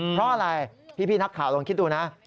เพราะอะไรพี่นักข่าวลองคิดดูนะ